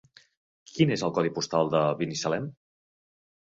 Quin és el codi postal de Binissalem?